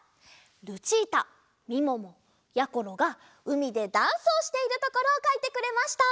ルチータみももやころがうみでダンスをしているところをかいてくれました！